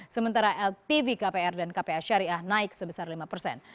sementara ltv kpr dan kpa syariah naik sebesar lima persen